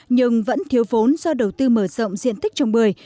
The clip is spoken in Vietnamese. nhưng vẫn thiếu vốn do đầu tư mở rộng diện tích trồng bưởi